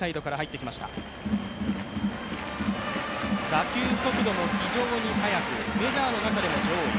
打球速度も非常に速く、メジャーの中でも上位。